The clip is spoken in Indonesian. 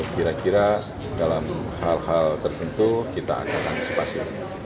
kira kira dalam hal hal tertentu kita akan antisipasi